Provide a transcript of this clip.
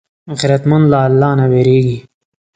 غیرتمند له الله نه وېرېږي